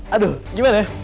aduh gimana ya